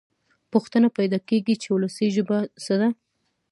پوښتنه پیدا کېږي چې وولسي ژبه څه ده.